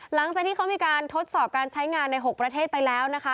หลังจากที่เขามีการทดสอบการใช้งานใน๖ประเทศไปแล้วนะคะ